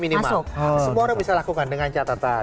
minimal semua orang bisa lakukan dengan catatan